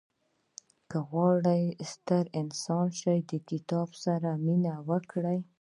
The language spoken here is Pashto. • که غواړې ستر انسان شې، د کتاب سره مینه وکړه.